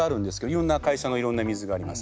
いろんな会社のいろんな水があります。